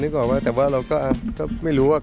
นึกออกว่าแต่ว่าเราก็ไม่รู้ครับ